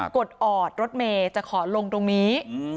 อดออดรถเมย์จะขอลงตรงนี้